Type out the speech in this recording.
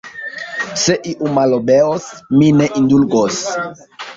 Se iu malobeos, mi ne indulgos!